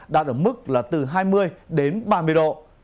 đạt ở mức là từ hai mươi đến ba mươi độ